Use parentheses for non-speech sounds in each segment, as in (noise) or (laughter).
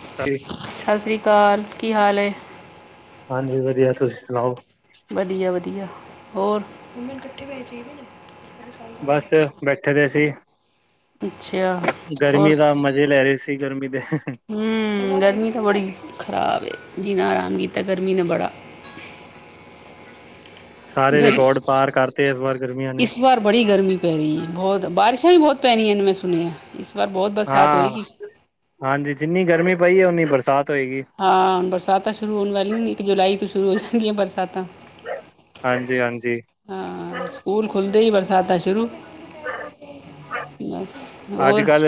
ਸਤਿ ਸ੍ਰੀ ਕਾਲ। ਕੀ ਹਾਲ ਏ? ਹਾਂਜੀ ਵਧੀਆ ਤੁਸੀਂ ਸੁਣਾਓ ਵਧੀਆ - ਵਧੀਆ। ਹੋਰ। - ਬਸ ਬੈਠੇ ਦੇ ਸੀ। ਅਛਾ ਹੋਰ। ਗਰਮੀ ਦਾ ਮਜ਼ੇ ਲੈ ਰਹੇ ਸੀ ਗਰਮੀ ਦੇ ਹੂੰ ਗਰਮੀ ਤਾ ਬੜੀ ਖਰਾਬ ਏ। ਜੀਣਾ ਹਰਾਮ ਕੀਤੈ ਗਰਮੀ ਨੇ ਬੜਾ। ਸਾਰੇ ਗਰ (inaudible) ਰਿਕਾਰਡ ਪਾਰ ਕਰਤੇ ਇਸ ਵਾਰ ਗਰਮੀਆਂ ਨੇ ਇਸ ਬਾਰ ਬੜੀ ਗਰਮੀ ਪੈ ਰਹੀ ਏ ਬਹੁਤ ਬਾਰਿਸ਼- ਬਹੁਤ ਪੈਣੀਆ ਨੇ ਮੈ ਸੁਣਿਐ। ਹਾਂ - ਹਾਂਜੀ ਜਿੰਨੀ ਗਰਮੀ ਪਈ ਏ ਉਨੀ ਬਰਸਾਤ। ਹੋਏਗੀ ਹਾਂ ਬਰਸਾਤਾ ਸ਼ੁਰੂ ਹੋਨ ਵਾਲੀਆ ਇੱਕ ਜੁਲਾਈ ਤੋ ਸ਼ੁਰੂ ਹੋ ਜਾਨਗੀਆ ਬਰਸਾਤਾ। ਹਾਂਜੀ ਹਾਂਜੀ ਹਾਂ, ਸਕੂਲ ਖੁੱਲਦੇ ਈ ਵਰਸ ਸਾਦਾ ਸ਼ੁਰੂ ਬਸ (inaudible) ਅੱਜ ਹੋਰ ਕੱਲ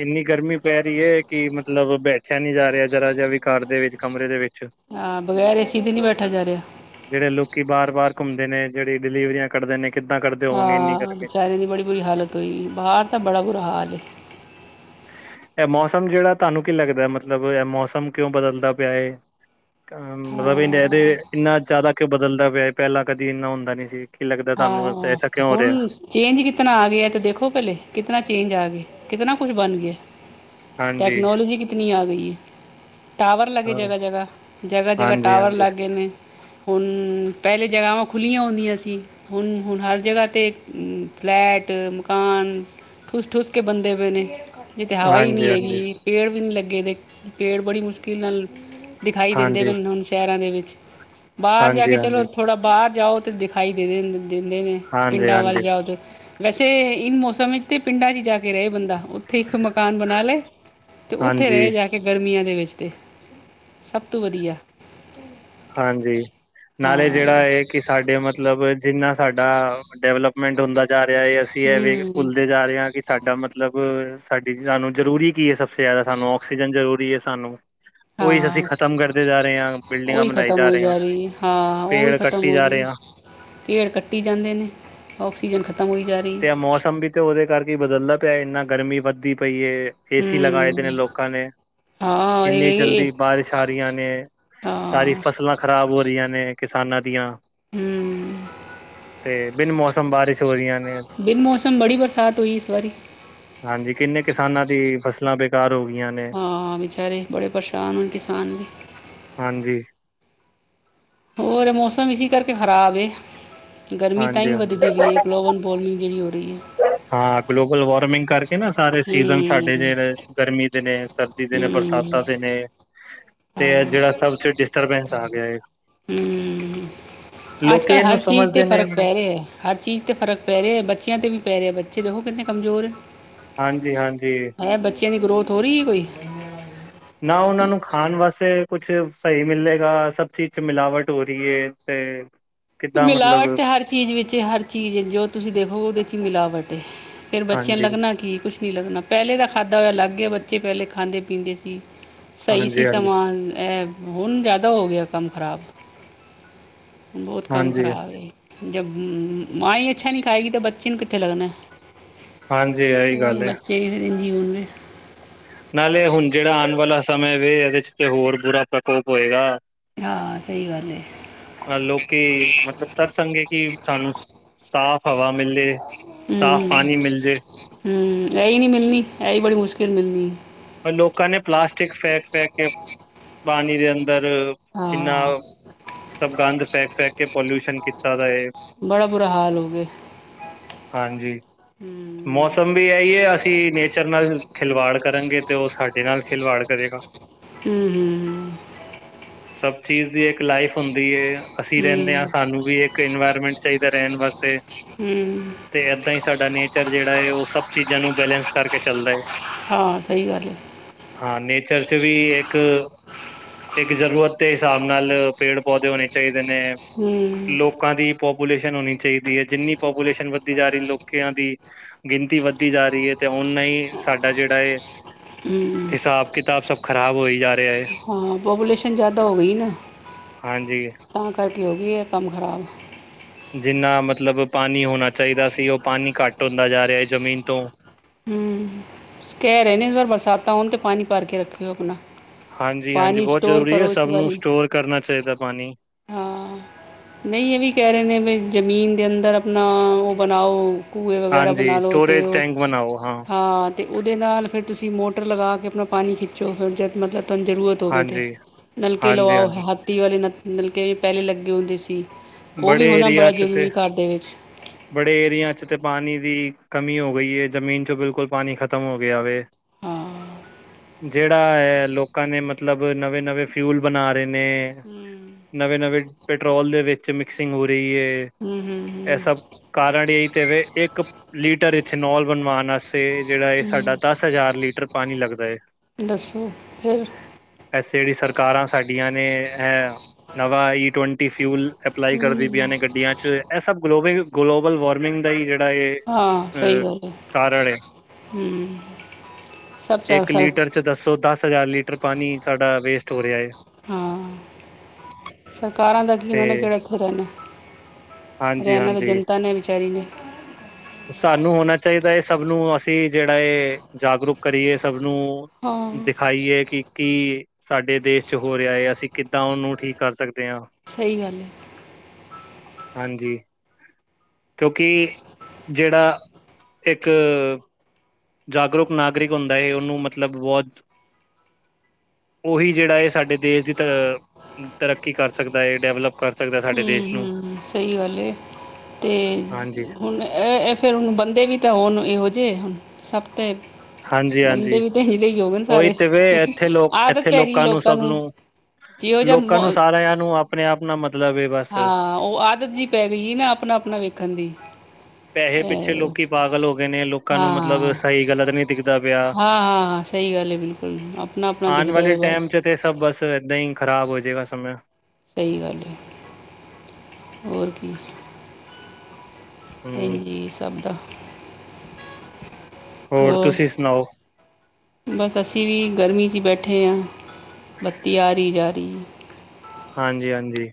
ਇੰਨੀ ਗਰਮੀ ਪੈ ਰਹੀ ਏ, ਕਿ ਮਤਲਬ ਬੈਠ ਰਿਆ ਨੀ ਜਾ ਰਿਹਾ ਜਰਾ ਜਿਹਾ ਵੀ, ਘਰ ਦੇ ਵਿੱਚ, ਕਮਰੇ ਦੇ ਵਿੱਚ। ਹਾਂ ਬਗੈਰ ਏਸੀ ਦੇ ਨਹੀਂ ਬੈਠਾ ਜਾ ਰਿਹਾ ਜਿਹੜੇ ਲੋਕੀ ਬਾਰ, ਬਾਰ ਘੁੰਮਦੇ ਨੇ, ਜਿਹੜੇ ਡਿਲੀਵਰੀਆਂ ਕਰਦੇ ਨੇ ਕਿੱਦਾਂ ਕਰਦੇ ਹੋਵਾਂਗੇ ਇੰਨੀ ਹਾਂ, ਗਰਮੀ ਚ ਵਿਚਾਰੇ ਦੀ ਬੜੀ ਬੁਰੀ ਹਾਲਤ ਹੋਈ, ਬਾਹਰ ਤਾ ਬੜਾ ਬੁਰਾ ਹਾਲ ਏ ਇਹ ਮੌਸਮ ਜਿਹੜਾ ਤੁਹਾਨੂੰ ਕੀ ਲੱਗਦਾ, ਮਤਲਬ ਇਹ ਮੌਸਮ ਕਿਉਂ ਬਦਲਦਾ ਪਿਆ ਏ? ਅ ਮਤਲਬ ਇਦੇ ਹਾਂ ਇੰਨਾ ਜ਼ਿਆਦਾ ਕਿ ਬਦਲਦਾ ਪਿਆ, ਪਹਿਲਾਂ ਕਦੀ ਇੰਨਾ ਹੁੰਦਾ ਨੀ ਸੀ। ਕੀ ਲੱਗਦਾ ਤੁਹਾਨੂੰ ਹਾਂ, ਐਸਾ ਕਿਉਂ ਹੋ ਰਿਹਾ ਹੁਣ ਚੇਂਜ ਕਿਤਨਾ ਆ ਗਿਆ ਤੇ ਦੇਖੋ ਪਹਿਲੇ, ਕਿਤਨਾ ਚੇਂਜ ਆ ਗਿਆ। ਕਿਤਨਾ ਕੁਛ ਬਣ ਗਿਆ, ਹਾਂਜੀ ਟੈਕਨੋਲੋਜੀ ਕਿਤਨੀ ਆ ਗਈ ਹੈ। ਟਾਵਰ ਲੱਗੇ ਹਾਂ ਜਗ੍ਹਾ, ਜਗ੍ਹਾ ਜਗ੍ਹਾ, ਜਗ੍ਹਾ ਹਾਂਜੀ ਟਾਵਰ ਹਾਂਜੀ ਲੱਗ ਗਏ ਨੇ। ਹੁਣ ਪਹਿਲੇ ਜਗ੍ਹਾਵਾਂ ਖੁੱਲ੍ਹੀਆਂ ਹੁੰਦੀਆਂ ਸੀ ਹੁਣ, ਹੁਣ ਹਰ ਜਗ੍ਹਾ 'ਤੇ ਫਲੈਟ, ਮਕਾਨ ਠੂਸ, ਠੂਸ ਕੇ ਬੰਦੇੇ ਵੇਲੇ ਏ ਤੇ ਹਵਾ ਈ ਹਾਂਜੀ ਨਹੀਂ ਹਾਂਜੀ ਹੈਗੀ, ਪੇੜ ਵੀ ਨਹੀਂ ਲੱਗੇ ਦੇ, ਪੇੜ ਬੜੀ ਮੁਸ਼ਕਿਲ ਨਾਲ ਦਿਖਾਈ ਦਿੰਦੇ ਹਾਂਜੀ ਵੇ, ਹੁਣ ਸ਼ਹਿਰਾਂ ਦੇ ਵਿੱਚ ਬਾਹਰ ਜਾ ਹਾਂਜੀ ਹਾਂਜੀ ਕੇ ਚਲੋ ਥੋੜਾ ਬਾਹਰ ਜਾਓ ਤੇ ਦਿਖਾਈ ਦੇ ਦ ਨੇ ਦਿੰਦੇ ਨੇ ਹਾਂਜੀ ਪਿੰਡਾਂ ਵੱਲ ਹਾਂਜੀ ਜਾਓ ਤੇ ਵੈਸੇ, ਇਨ ਮੌਸਮ ਵਿੱਚ ਤੇ ਪਿੰਡਾਂ ਚ' ਜਾ ਕੇ ਰਹੇ ਬੰਦਾ ਉੱਥੇ ਇੱਕ ਮਕਾਨ ਬਣਾ ਲਏ ਅਤੇ ਉੱਥੇ ਹਾਂਜੀ ਰਹੇ ਜਾ ਕੇ ਗਰਮੀਆਂ ਦੇ ਵਿੱਚ। ਸਭ ਤੋਂ ਵਧੀਆ। ਹਾਂਜੀ, ਨਾਲੇ ਹਾਂ ਜਿਹੜਾ ਹੈ ਕਿ ਸਾਡੇ ਮਤਲਬ ਜਿੰਨਾ ਸਾਡਾ ਡਿਵਲਪ ਮੇੰਟ ਹੁੰਦਾ ਜਾ ਰਿਹਾ ਹੈ, ਅਸੀਂ ਐਵੇਂ ਹੂੰ ਭੁੱਲਦੇ ਜਾ ਰਹੇ ਹਾਂ ਕਿ ਸਾਡਾ ਮਤਲਬ ਸਾਡੀ ਸਾਨੂੰ ਜ਼ਰੂਰੀ ਕੀ ਹੈ, ਸਭ ਤੋਂ ਜ਼ਿਆਦਾ ਸਾਨੂੰ ਆਕਸੀਜਨ ਜ਼ਰੂਰੀ ਹੈ ਸਾਨੂੰ ਉਹੀ ਅਸੀਂ ਹਾਂ ਖ਼ਤਮ ਕਰਦੇ ਜਾ ਰਹੇ ਹਾਂ ਬਿਲਡਿੰਗਾਂ ਉਹੀ ਬਣਾਈ ਖਤਮ ਹੋਈ ਰਹੇ ਹਾਂ ਜਾ ਰਹੀ, ਹਾਂ ਉਹ ਵੀ ਪੇੜ ਖ਼ਤਮ ਕੱਟੀ ਹੋ ਜਾ ਰਹੀ ਰਹੇ ਹਾਂ ਏ ਪੇੜ ਕੱਟੀ ਜਾਂਦੇ ਨੇ, ਆਕਸੀਜਨ ਖ਼ਤਮ ਹੋਈ ਜਾ ਰਹੀ ਤੇ ਹੈ ਮੌਸਮ ਵੀ ਤੇ ਉਹਦੇ ਕਰਕੇ ਬਦਲਦਾ ਪਿਆ, ਇੰਨਾ ਗਰਮੀ ਵੱਧਦੀ ਪਈ ਏ ਏਸੀ ਲਗਾਏ ਦੇ ਹੂੰ ਨੇ ਲੋਕਾਂ ਨੇ, ਹਾਂ ਇਹ ਇੰਨੀ ਵੇ ਜਲਦੀ ਬਾਰਿਸ਼ ਆ ਰਹੀਆਂ ਨੇ। ਸਾਰੀ ਹਾਂ ਫਸਲਾਂ ਖ਼ਰਾਬ ਹੋ ਰਹੀਆਂ ਨੇ, ਕਿਸਾਨਾਂ ਦੀਆਂ, ਹੂੰ ਤੇ' ਬਿਨ ਮੌਸਮ ਬਾਰਿਸ਼ ਹੋ ਰਹੀਆਂ ਨੇ, ਹਾਂਜੀ, ਕਿੰਨੇ ਕਿਸਾਨਾਂ ਦੀ ਫਸਲਾਂ ਬੇਕਾਰ ਹੋ ਗਈਆਂ ਨੇ ਹਾਂ, ਵਿਚਾਰੇ ਬੜੇ ਪਰੇਸ਼ਾਨ ਨੇ ਕਿਸਾਨ ਵੀ। ਹਾਂਜੀ ਹੋਰ ਮੌਸਮ ਇਸੀ ਕਰਕੇ ਖ਼ਰਾਬ ਏ। ਗਰਮੀ ਤਾਂ ਹਾਂਜੀ ਹੀ ਹਾਂਜੀ ਵਧਦੀ ਵੀਈ ਹੈ, ਗਲੋਬਲ ਵਾਰਮਿੰਗ ਜਿਹੜੀ ਹੋ ਰਹੀ ਹੈ। ਹਾਂ, ਗਲੋਬਲ ਵਾਰਮਿੰਗ ਕਰਕੇ ਨਾ ਸਾਰੇ ਸੀਜ਼ਨ ਸਾਡੇ ਜ ਗਰਮੀ ਦੇ ਨੇ, ਸਰਦੀ ਦੇ ਨੇ, ਬਰਸਾਤ ਪਤਾ ਤੇ ਨੇ ਤੇ ਜਿਹੜਾ ਸਭ ਚ ਡਿਸਟਰਬੈਂਸ ਆ ਗਿਆਏ ਹਮ ਅੱਜ- ਲੋਕੀ ਕੱਲ੍ਹ ਇਹਨੂੰ ਹਰ ਚੀਜ਼ ਤੇ ਸਮਝਦੇ ਨੇ ਫ਼ਰਕ ਪੈ ਰਿਹਾ ਹੈ, ਹਰ ਚੀਜ਼ ਤੇ ਫ਼ਰਕ ਪੈ ਰਿਹਾ ਹੈ, ਬੱਚਿਆਂ ਤੇ ਵੀ ਪੈ ਰਿਹਾ ਬੱਚੇ ਦੇਖੋ ਕਿੰਨੇ ਕਮਜ਼ੋਰ ਨ, ਹਾਂਜੀ ਹਾਂਜੀ ਹੈ ਬੱਚਿਆਂ ਦੀ ਗਰੋਥ ਹੋ ਰਹੀ ਹੈ ਕੋਈ? ਨਾ ਉਹਨਾਂ ਨੂੰ ਖਾਣ ਵਾਸਤੇ ਕੁਛ ਸਹੀ ਮਿਲਲੇਗਾ, ਸਭ ਚੀਜ਼ ਚ ਮਿਲਾਵਟ ਹੋ ਰਹੀ ਹੈ ਤੇ ਕਿੱਦਾਂ ਮਿਲਾਵਟ ਮਤਲਬ ਤੇ ਹਰ ਚੀਜ਼ ਵਿੱਚ, ਹਰ ਚੀਜ਼ ਜੋ ਤੁਸੀਂ ਦੇਖੋ ਉਹਦੇ ਵਿੱਚ ਹੀ ਮਿਲਾਵਟ ਹੈ। ਫੇਰ ਬੱਚਿਆਂ ਨੂੰ ਹਾਂਜੀ ਲੱਗਣਾ ਕੀ, ਕੁਛ ਨੀ ਲੱਗਣਾ, ਪਹਿਲੇ ਦਾ ਖਾਦਾ ਹੋਇਆ ਲੱਗ ਗਿਆ। ਬੱਚੇ ਪਹਿਲੇ ਖਾਂਦੇ ਪੀਂਦੇ ਸੀ। ਸਹੀ ਸੀ ਹਾਂਜੀ ਹਾਂਜੀ ਸਮਾਂ, ਇਹ ਹੁਣ ਜ਼ਿਆਦਾ ਹੋ ਗਿਆ ਕੰਮ ਖ਼ਰਾਬ। ਬਹੁਤ ਕੰਮ ਹਾਂਜੀ ਖ਼ਰਾਬ ਹੈ, ਜੇ ਮਾਂ ਹੀ ਅੱਛਾ ਨੀ ਖਾਏਗੀ ਤਾਂ ਬੱਚੇ ਨੂੰ ਕਿੱਥੇ ਲੱਗਣਾ। ਹਾਂਜੀ ਇਹੀ ਗੱਲ ਹਮ ਹੈ ਬੱਚੇ ਵੀ ਫਿਰ ਐਂਜ ਹੀ ਹੋਣਗੇ ਨਾਲੇ ਹੁਣ ਜਿਹੜਾ ਆਉਣ ਵਾਲਾ ਸਮੇਂ ਵੇ, ਇਹਦੇ ਚ' ਤੇ ਹੋਰ ਬੁਰਾ ਪ੍ਰਕੋਪ ਹੋਏਗਾ। ਹਾਂ, ਸਹੀ ਗੱਲ ਹੈ। ਅ ਲੋਕੀ, ਮਤਲਬ ਤਰਸੰਗੇ ਕਿ ਸਾਨੂੰ ਸਾਫ਼ ਹਵਾ ਮਿਲੇ ਸਾਫ਼ ਪਾਨੀ ਮਿਲ ਜੇ ਹਮ ਇਹੀ ਨੀ ਮਿਲਣੀ ਐਹੀ ਬੜੀ ਮੁਸ਼ਕਿਲ ਮਿਲਣੀ ਏ ਪਰ ਲੋਕਾਂ ਨੇ ਪਲਾਸਟਿਕ ਫੈਕ ਫੇਕ ਕੇ ਪਾਣੀ ਦੇ ਅਦਰ ਕਿੰਨਾ ਹਾਂ ਸਭ ਗੰਦ ਫੈਕ ਫੇਕ ਕੇ ਪੋਲਿਊਸ਼ਨ ਕੀਤਾ ਦਾ ਏ (unintelligible) ਹਾਂਜੀ ਹੂੰ ਮੌਸਮ ਵੀ ਇ ਹੀ ਹੈ ਅਸੀਂ ਨੇਚਰ ਨਾਲ ਖਿਲਵਾੜ ਕਰਾਂਗੇ ਤੇ ਉਹ ਸਾਡੇ ਨਾਲ ਖਿਲਵਾੜ ਕਰੇਗਾ ਹੁੰ, ਹੁੰ, ਹੁੰ ਸਭ ਚੀਜ਼ ਦੀ ਇੱਕ ਲਾਈਫ ਹੁੰਦੀ ਏ ਅਸੀਂ ਰਹਿੰਦੇ ਹਾਂ ਹੂੰ ਸਾਨੂੰ ਵੀ ਇੱਕ ਇਨਵਾਇਰਮੈਂਟ ਚਾਹੀਦਾ ਰਹਿਣ ਵਾ ਸੇ ਹੂੰ ਤੇ ਏਦਾਂ ਹੀ ਸਾਡਾ ਨੇਚਰ ਜਿਹੜਾ ਹੈ ਉਹ ਸਭ ਚੀਜ਼ਾਂ ਨੂੰ ਬੈਲਂਸ ਕਰਕੇ ਚੱਲਦਾ ਹੈ ਹਾਂ ਸਹੀ ਗੱਲ ਹੈ। ਹਾਂ ਨੇਚ ਰ ਚ ਵੀ ਇੱਕ ਇੱਕ ਜ਼ਰੂਰਤ ਦੇ ਹਿਸਾਬ ਨਾਲ ਪੇੜ ਪੌਦੇ ਹੋਣੇ ਚਾਹੀਦੇ ਨੇ ਹੂੰ ਲੋਕਾਂ ਦੀ ਪੌਪ ਪਾਪੂਲੇਸ਼ਨ ਹੋਣੀ ਚਾਹੀਦੀ ਹੈ ਜਿੰਨੀ ਵੱਧਦੀ ਜਾ ਰਹੀ ਲੋਕਾਂ ਦੀ ਗਿਣਤੀ ਵੱਧਦੀ ਜਾ ਰਹੀ ਹੈ ਤੇ ਹੁੰ ਓਹਨਾ ਹੀ ਸਾਡਾ ਜਿਹੜਾ ਹੂੰ ਹਿਸਾਬ ਕਿਤਾਬ ਸਭ ਖ਼ਰਾਬ ਹੋਈ ਜਾ ਰਿਹਾ ਹੈ ਹਾਂ ਪਾਪੂਲੇਸ਼ਨ ਜ਼ਿਆਦਾ ਹੋ ਗਈ ਨਾ ਹਾਂਜੀ ਤਾਂ ਕਰਕੇ ਹੋਗੀ ਇਹ ਕੰਮ ਖ਼ਰਾਬ ਜਿੰਨਾ ਮਤਲਬ ਪਾਣੀ ਹੋਣਾ ਚਾਹੀਦਾ ਸੀ ਉਹ ਪਾਣੀ ਘੱਟ ਹੁੰਦਾ ਜਾ ਰਿਹਾ ਜ਼ਮੀਨ ਤੋਂ ਹਮ ਕਹਿ ਰਹੇ ਨੇ ਅਗਰ ਬਰਸਾਤਾਂ ਹੋਣ ਤੇ ਪਾਣੀ ਭਰ ਕੇ ਰੱਖਿਓ ਅਪਨਾ ਹਾਂਜੀ ਹਾਂਜੀ ਪਾਣੀ ਬਹੁਤ ਸਟੋਰ ਜ਼ਰੂਰੀ ਹੈ ਕਰੋ ਇਸ ਸਭ ਨੂੰ ਵਾਰੀ। ਸਟੋਰ ਕਰਨਾ ਚਾਹੀਦਾ ਪਾਣੀ ਹਾਂ ਨਹੀਂ ਇਹ ਵੀ ਕਹਿ ਰਹੇ ਨੇ ਵੀ ਜ਼ਮੀਨ ਦੇ ਅੰਦਰ ਆਪਣਾ ਉਹ ਬਣਾਓ ਕੁੰਏ ਵਗੈਰਾ ਬਣਾ ਹਾਂਜੀ ਲਓ ਤੇ ਸਟੋਰੇਜ ਟੈਂਕ ਬਣਾਓ ਹਾਂ ਤੇ ਉਹਦੇ ਨਾਲ ਫਿਰ ਤੁਸੀਂ ਮੋਟਰ ਲਗਾ ਕੇ ਆਪਣਾ ਪਾਣੀ ਖਿੱਚੋ ਫਿਰ ਜਦ ਮਤਲਬ ਤਨ ਜ਼ਰੂਰਤ ਹੋ ਗਈ ਤੇ ਹਾਂਜੀ ਨਲਕੇ ਹਾਂਜੀ ਲਵਾਓ ਹਾਂਜੀ ਹਾਥੀ ਵਾਲੇ ਨ ਨਲਕੇ ਵੀ ਪਹਿਲੇ ਲੱਗੇ ਹੁੰਦੇ ਸੀ ਉਹ ਵੀ ਬੜੇ ਹੋਣਾ ਬੜਾ ਏਰੀਆ ਚ ਤੇ ਜ਼ਰੂਰੀ ਘਰ ਦੇ ਵਿੱਚ ਬੜੇ ਏਰੀਆ ਚ ਤੇ ਪਾਨੀ ਦੀ ਕਮੀ ਹੋ ਗਈ ਹੈ ਜ਼ਮੀਨ ਚ ਬਿਲਕੁਲ ਪਾਣੀ ਖ਼ਤਮ ਹੋ ਗਿਆ ਵੇ ਹਾਂ ਜਿਹੜਾ ਹੈ ਲੋਕਾਂ ਨੇ ਮਤਲਬ ਨਵੇਂ ਨਵੇਂ ਫਿਊਲ ਬਣਾ ਨੇ ਹੂੰ ਨਵੇਂ ਨਵੇਂ ਪੈਟਰੋਲ ਦੇ ਵਿੱਚ ਮਿਕਸਿੰਗ ਹੋ ਰ ਹੂੰ ਹੂੰ ਇਹ ਹੂੰ ਸ ਕਾਰਨ ਇਹੀ ਤੇੇ ਇੱਕ ਲੀਟਰ ਇਥੇ ਨੋਲ ਬਣਵਾਨ ਵਾਸਤੇ ਜਿਹੜਾ ਹੈ ਸਾਡਾ ਹੂੰ ਦਸ ਹਜ਼ਾਰ ਲੀਟਰ ਪਾਣੀ ਲੱਗਦਾ ਹੈ ਦੱਸੋ ਫਿਰ ਐਸੇ ਜਿਹੜੀ ਸਰਕਾਰਾਂ ਸਾਡੀਆਂ ਨੇ ਹੈ ਨਵਾਂ ਈ ਟਵੰਟੀ ਫਿਊਲ ਅਪਲਾਈ ਕਰਦੀ ਪਈਆਂ ਨੇ ਗੱਡੀਆਂ ਚ ਇਹ ਸਭ ਗਲੋਬਲ ਗਲੋਬਲ ਵਾਰਮਿੰਗ ਦਾ ਹੀ ਹਾਂ ਸਹੀ (unintelligible) ਗੱਲ ਹੈ ਕਰਨ ਏ ਹੂੰ ਸਭ ਚੱਲ ਇੱਕ ਸਰ ਲੀਟਰ ਚ ਦੱਸੋ ਦਸ ਹਜ਼ਾਰ ਲੀਟਰ ਪਾਣੀ ਸਾਡਾ ਵੇਸਟ ਹੋ ਰਿਹਾ ਹੈ ਹਾਂ ਸਰਕਾਰਾਂ ਦਾ ਕੀ ਉਹ ਨੇ ਤੇ ਕਿਹੜਾ ਹਾਂਜੀ ਰਿਆਣ ਤਾਂ ਹਾਂਜੀ ਜਨਤਾ ਨੇ ਵਿਚਾਰੀ ਨੇ ਸਾਨੂੰ ਹੋਣਾ ਚਾਹੀਦਾ ਹੈ ਸਭ ਨੂੰ ਅਸੀਂ ਜਿਹੜਾ ਹੈ ਜਾਗਰੂਕ ਕਰੀਏ ਸਭ ਨੂੰ ਹਾਂ ਦਿਖਾਈਏ ਕਿ ਕੀ ਸਾਡੇ ਦੇਸ਼ ਚ ਹੋ ਰਿਹਾ ਹੈ ਅਸੀਂ ਕਿੱਦਾਂ ਉਹਨੂੰ ਠੀਕ ਕਰ ਸਕਦੇ ਹਾਂ ਸਹੀ ਗੱਲ ਹੈ। ਹਾਂਜੀ। ਕਿਉਂਕਿ ਜਿਹੜਾ ਇੱਕ ਜਾਗਰੂਕ ਨਾਗਰਿਕ ਹੁੰਦਾ ਹੈ ਉਹਨੂੰ ਮਤਲਬ ਬਹੁਤ ਉਹੀ ਜਿਹੜਾ ਹੈ ਸਾਡੇ ਦੇਸ਼ ਦੀ ਤ ਤਰੱਕੀ ਕਰ ਸਕਦਾ ਹੈ ਡਿਵੈਲਪ ਕਰ ਸਕਦਾ ਸਾਡੇ ਹਮ, ਦੇਸ਼ ਨੂੰ ਹਮ ਸਹੀ ਗੱਲ। ਤੇ ਹਾਂਜੀ ਹੁਣ ਫਿਰ ਹੁ ਬੰਦੇ ਵੀ ਤਾਂ ਹੋਣ ਇਹੋ ਜਿਹੇ ਜੇ ਹੁਣ ਸਭ ਤੇ ਹਾਂਜੀ ਬੰਦੇ ਹਾਂਜੀ ਵੀ ਹੀਲੇ ਹੋਗਣ ਉਹੀ ਸਾਰੇ ਤੇ ਵੇ ਇੱਥੇ ਲੋਕ ਆਦਤ ਇੱਥੇ ਪੈ ਗਈ ਲੋਕਾਂ ਸਭ ਨੂੰ ਜੀਓ ਜਾ ਲੋਕਾਂ ਨੂੰ ਸਾਰਿਆਂ ਨੂੰ ਆਪਣੇ ਆਪ ਨਾਲ ਮਤਲਬ ਹੈ ਬਸ ਹਾਂ ਉਹ ਆਦਤ ਜੀ ਪੈ ਗਈ ਸੀ ਨਾ, ਆਪਣਾ ਆਪਣਾ ਵੇਖਣ ਦੀ। ਪੈਸੇ ਪਿੱਛੇ ਇਹ ਲੋਕੀ ਪਾਗਲ ਹੋ ਗਏ ਨੇ, ਲੋਕਾਂ ਨੂੰ ਮਤਲਬ ਹਾਂ ਸਹੀ ਗਲਤ ਨੀ ਦਿਖਦਾ ਪਿਆ। ਹਾਂ ਹਾਂ ਸਹੀ ਗੱਲ ਹੈ ਬਿਲਕੁਲ ਆਪਣਾ ਆਪਣਾ ਆਉਣ ਦਿਖਦਾ ਵਾਲੇ ਹੈ ਬਸ ਟਾਈਮ ਚ ਤੇ, ਸਭ ਬਸ ਇੱਦਾਂ ਹੀ ਖ਼ਰਾਬ ਹੋ ਜਾਏਗਾ ਸਮੇ। ਸਹੀ ਗੱਲ ਐ, ਹੋਰ ਕੀ। ਇੰਝ ਹਮ ਜੀ ਸਭ ਦਾ ਹੋ, ਹੋਰ ਤੁਸੀਂ ਸੁਣਾਓ ਬਸ ਅਸੀਂ ਵੀ ਗਰਮੀ ਚ ਬੈਠੇ ਠੇ ਆ ਬੱਤੀ ਆਰੀ ਜਾਰੀ ਐ। ਹਾਂਜੀ ਹਾਂਜੀ।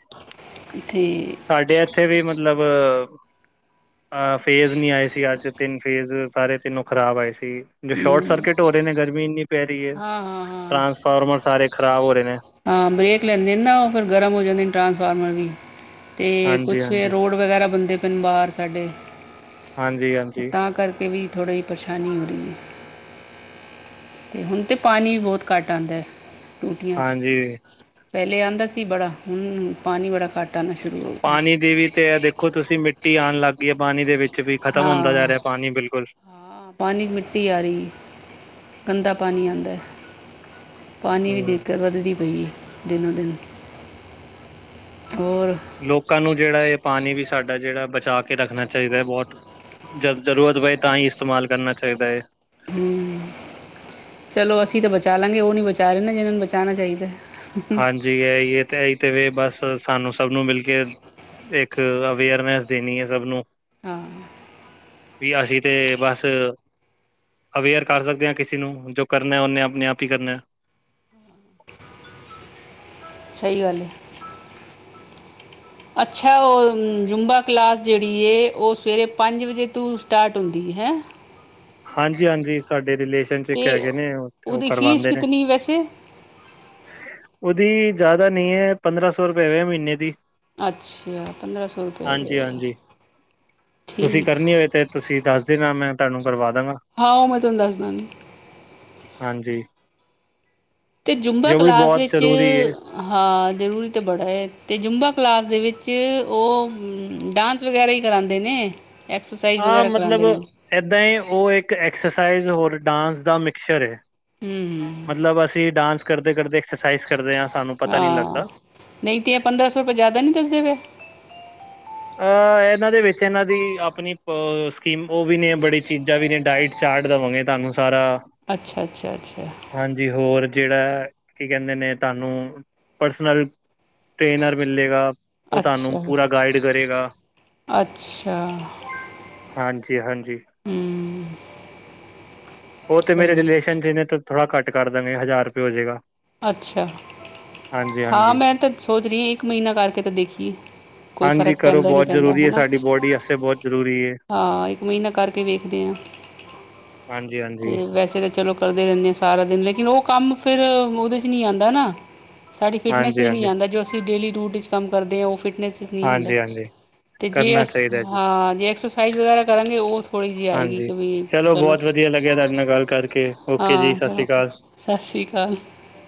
ਤੇ ਸਾਡੇ ਐਥੇ ਵੀ ਮਤਲਬ ਅਹ ਫੇਜ਼ ਨੀ ਆਏ ਸੀ, ਅੱਜ ਤਿੰਨ ਫੇਜ਼ ਸਾਰੇ ਤਿੰਨੋ ਖ਼ਰਾਬ ਆਏ ਸੀ। ਜੋ ਸ਼ੋਟ ਹਮ ਸਰਕਿਟ ਹੋ ਰਹੇ ਨੇ, ਗਰਮੀ ਇੰਨੀ ਪੈ ਰਹੀ ਐ ਹਾਂ ਹਾਂ ਹਾਂ ਟਰਾਂਸਫਾਰਮਰ ਸਾਰੇ ਖ਼ਰਾਬ ਹੋ ਰਹੇ ਨੇ। ਹਾਂ ਬ੍ਰਰੇਕ ਲੈਂਦੇ ਨੇ ਨਾ, ਉਹ ਫਿਰ ਗਰਮ ਹੋ ਜਾਂਦੇ ਨੇ ਟਰਾਂਸਫਾਰਮਰ ਵੀ, ਤੇ ਹਾਂਜੀ ਕੁਛ ਹਾਂਜੀ ਰੋਡ ਵਗੈਰਾ ਬੰਦੇ ਪੈਣ ਬਾਹਰ ਸਾਡੇ ਹਾਂਜੀ ਤੇ ਹਾਂਜੀ ਤਾਂ ਕਰਕੇ ਵੀ ਥੋੜ੍ਹਾ ਜੀ ਪਰੇਸ਼ਾਨੀ ਹੋ ਰਹੀ ਐ। ਤੇ ਹੁਣ ਤੇ ਪਾਣੀ ਵੀ ਬਹੁਤ ਘੱਟ ਆਦਾ ਐ। ਹਾਂਜੀ ਲਿਆਉਂਦਾ ਸੀ ਬੜਾ, ਹੁਣ ਪਾਣੀ ਬੜਾ ਘੱਟ ਆਉਣਾ ਸ਼ੁਰੂ ਹੋ ਗਿਆ ਪਾਣੀ ਦੀ ਵੀ ਤੇ ਆ ਦੇਖੋ ਤੁਸੀਂ ਮਿੱਟੀ ਆਉਣ ਲੱਗ ਗਈ ਹੈ ਪਾਣੀ ਦੇ ਵਿੱਚ ਵੀ, ਖ਼ਤਮ ਹੁੰਦਾ ਹਾਂ ਜਾ ਰਿਹਾ ਪਾਣੀ ਬਿਲਕੁਲ। ਹਾਂ, ਪਾਣੀ ਮਿੱਟੀ ਆ ਰਹੀ, ਗੰਦਾ ਪਾਣੀ ਆਉਂਦਾ। ਪਾਣੀ ਦੀ ਹਮ ਦੀਕਤ ਵੱਧਦੀ ਪਈ ਐ, ਦਿਨੋ ਦਿਨ। ਹੋਰ ਲੋਕਾਂ ਨੂੰ ਜਿਹੜਾ ਐ, ਪਾਣੀ ਵੀ ਸਾਡਾ ਜਿਹੜਾ ਬਚਾ ਕੇ ਰੱਖਣਾ ਚਾਹੀਦਾ ਹੈ, ਬਹੁਤ ਜਬ ਜ਼ਰੂਰਤ ਪਏ ਤਾਂ ਹੀ ਇਸਤੇਮਾਲ ਕਰਨਾ ਚਾਹੀਦਾ ਹੈ। ਹੂੰ, ਚਲੋ ਅਸੀਂ ਤੇ ਬਚਾ ਲਾਂਗੇ, ਔ ਨੀ ਬਚਾ ਰਹੇ ਨਾ ਜਿਨਾਂ ਨੂੰ ਬਚਾਨਉਣਾ ਚਾਹੀਦਾ। ਹੈ। ਹਾਂਜੀ, ਇਹ ਤਾਂ ਇਹੀ ਤੇ ਵੀ ਬੱਸ ਸਾਨੂੰ ਸਭ ਨੂੰ ਮਿਲ ਕੇ, ਇੱਕ ਅਵੇਅਰਨੈਸ ਦੇਣੀ ਐ ਸਭ ਨੂੰ ਹਾਂ। ਬੀ, ਅਸੀਂ ਤੇ ਬਸ ਅਵੇਅਰ ਕਰ ਸਕਦੇ ਆ, ਕਿਸੇ ਨੂੰ ਜੋ ਕਰਨਾ ਉਹਨੇ ਆਪਣੇ ਆਪ ਹੀ ਕਰਨਾ। ਹੂੰ (unintelligible) ਸਹੀ ਗੱਲ ਐ। ਅੱਛਾ ਔ ਜੁੰਮਬਾ ਕਲਾਸ ਜਿਹੜੀ ਐ, ਉਹ ਸਵੇਰੇ ਪੰਜ ਵਜੇ ਤੋਂ ਸਟਾਰਟ ਹੁੰਦੀ ਹੈ। ਹੈ? ਹਾਂਜੀ ਹਾਂਜੀ, ਸਾਡੇ ਰਿਲੇਸ਼ਨ ਚ ਤੇ ਇੱਕ ਹੈਗੇ ਨੇ, ਉੱਥੇ ਉਹ ਉਹਦੀ ਫੀਸ ਕਰਵਾਉਦੇ ਨੇ। ਕਿਤਨੀ ਵੈਸੇ ਉਹਦੀ ਜ਼ਿਆਦਾ ਨਹੀਂ ਐ, ਪੰਦਰਾਂ ਸੌ ਰੁਪਏ ਹੋ ਮਹੀਨੇ ਦੀ। ਅੱਛਾ ਪੰਦਰਾਂ ਸੌ ਰੁਪਏ ਹਾਂਜੀ ਵੇ। ਹਾਂਜੀ ਤੁਸੀਂ ਕਰਨੀ ਹੋਏ ਤੇ ਤੁਸੀਂ ਦੱਸ ਦੇਣਾ, ਮੈਂ ਤੁਹਾਨੂੰ ਕਰਵਾ ਦਾਂਗਾ ਹਾਂ, ਉਹ ਮੈਂ ਤੁਹਾਨੂੰ ਦੱਸ ਦਾਗੀ। ਹਾਂਜੀ ਤੇ ਜੂੰਬਾ ਜੋ ਵੀ ਕਲਾਸ ਬਹੁਤ ਵਿੱਚ, ਜ਼ਰੂਰੀ ਹੈ ਹਾਂ, ਜ਼ਰੂਰੀ ਤਾਂ ਬੜਾ ਐ, ਤੇ ਜੁੰਬਾ ਕਲਾਸ ਦੇ ਵਿੱਚ, ਔ ਡਾਂਸ ਵਗੈਰਾ ਹੀ ਕਰਾਉਂਦੇ ਨੇ। ਐਕਸਰਸਾਈਜ਼ ਆਹ ਵਗੈਰਾ ਮਤਲਬ ਕਰਾਉਂਦੇ ਨੇ ਏਦਾਂ ਹੀ, ਔ ਇੱਕ ਐਕਸਰਸਾਈਜ਼ ਹੋਰ ਡਾਂਸ ਦਾ ਮਿਕਚਰ ਐ। ਹੂੰ ਮਤਲਬ, ਅਸੀਂ ਡਾਂਸ ਕਰਦੇ ਕਰਦੇ ਐਕਸਰਸਾਈਜ਼ ਕਰਦੇ ਆ, ਸਾਨੂੰ ਪਤਾ ਨੀ ਹਾਂ ਲੱਗਦਾ। ਨਹੀਂ ਤੇ ਇਹ ਪੰਦਰਾਂ ਸੌ ਰੁਪਏ ਜ਼ਿਆਦਾ ਨਹੀ ਦੱਸਦੇ ਪਏ? ਅਹ ਇਹਨਾਂ ਦੇ ਵਿੱਚ ਇਹਨਾਂ ਦੀ ਆਪਣੀ ਪ ਸਕੀਮ, ਉਹ ਵੀ ਨੇ, ਬੜੀ ਚੀਜ਼ਾਂ ਵੀ ਨੇ ਡਾਇਟ ਚ ਕਟ ਦੇਵਾਂਗੇ ਤੁਹਾਨੂੰ ਸਾਰਾ, ਅੱਛਾ ਅੱਛਾ ਅੱਛਾ ਹਾਂਜੀ ਹੋਰ ਜਿਹੜਾ ਕੀ ਕਹਿੰਦੇ ਨੇ, ਤੁਹਾਨੂੰ ਪਰਸਨਲ ਟ੍ਰੇਨਰ ਮਿਲੇਗਾ ਔ ਅੱਛਾ ਤੁਹਾਨੂੰ ਪੂਰਾ ਗਾਈਡ ਕਰੇਗਾ। ਅੱਛਾ ਹਾਂਜੀ- ਹਾਂਜੀ। ਹਮ (inaudible) ਔ ਤੇ ਮੇਰੇ ਸਹੀ ਰਿਲੇਸ਼ਨ ਚ ਨੇ, ਤੇ ਥੋੜ੍ਹਾ ਘਟ ਕਰ ਦੇਣਗੇ, ਹਜ਼ਾਰ ਰੁਪਏ ਹੋ ਜਾਏਗਾ। ਅੱਛਾ, ਹਾਂਜੀ-ਹਾਂਜੀ। ਹਾਂ ਮੈਂ ਤੇ ਸੋਚ ਰਹੀ ਹਾਂ, ਇੱਕ ਮਹੀਨਾ ਕਰਕੇ ਤਾਂ ਦੇਖੀਏ ਕੋਈ ਹਾਂਜੀ ਫ਼ਰਕ ਕਰੋ ਪੈਂਦਾ ਨੀ ਬਹੁਤ ਪੈਂਦਾ ਜ਼ਰੂਰੀ ਹੈ ਹੈਨਾ। ਸਾਡੀ ਬੋਡੀ ਵਾਸਤੇ ਬਹੁਤ ਜ਼ਰੂਰੀ ਹੈ ਹਾਂ ਇੱਕ ਮਹੀਨਾ ਕਰਕੇ ਵੇਖਦੇ ਆ। (inaudible) ਹਾਂਜੀ ਹਾਂਜੀ। ਤੇ ਵੈਸੇ ਤਾਂ ਚਲੋ ਕਰਦੇ ਰਹਿੰਦੇ ਆ ਸਾਰਾ ਦਿਨ ਲੇਕਿਨ ਔ ਕੰਮ ਫਿਰ ਉਹਦੇ ਚ ਨੀ ਆਉਂਦਾ ਨਾ ਸਾਡੀ ਫਿਟਨਸ ਚ ਨਈ ਹਾਂਜੀ-ਹਾਂਜੀ, ਆਂਦਾ ਜੋ ਅਸੀ ਡੇਲੀ ਰੂਟ ਚ ਕੰਮ ਕਰਦੇ ਆ ਉਹ ਫਿਟਨਸ ਚ ਨਈ ਆਂਦਾ। ਹਾਂਜੀ-ਹਾਂਜੀ ਤੇ ਜੇ ਕਰਨਾ ਅਸ ਚਾਹੀਦਾ ਜੀ, ਹਾਂ ਜੇ ਐਕਸਰਸਾਈਜ਼ ਵਗੈਰਾ ਕਰਾਂਗੇ ਉਹ ਥੋੜ੍ਹੀ ਜੇਈ ਆਏਗੀ ਹਾਂਜੀ ਕਿ ਵੀ ਚਲੋ ਬਹੁਤ ਵਧੀਆ ਲੱਗਿਆ ਤੁਹਾਡੇ ਨਾਲ ਗੱਲ ਕਰਕੇ ਓਕੇ ਜੀ ਹਾਂ, ਸਤਿ ਸ਼੍ਰੀ ਚਲੋ ਅਕਾਲ। ਠੀਕ, ਸਸ ਸ੍ਰੀ ਅਕਾਲ।